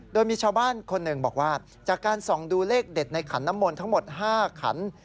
โดยมีชาวบ้านคนหนึ่งบอกว่าจากการส่องดูเลขเด็ดในขันน้ำมนต์ทั้งหมด๕ขัน